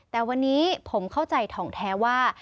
แต่วันนี้ผมเข้าใจถ่องแท้ว่า